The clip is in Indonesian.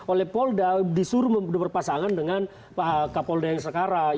oleh polda disuruh berpasangan dengan pak kapolda yang sekarang